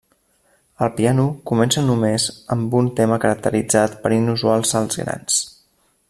El piano comença només amb un tema caracteritzat per inusuals salts grans.